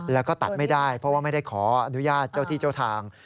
แล้วก็ตัดไม่ได้เพราะว่าไม่ได้ขออนุญาตเจ้าที่เจ้าทาง